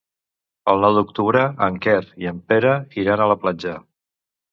El nou d'octubre en Quer i en Pere iran a la platja.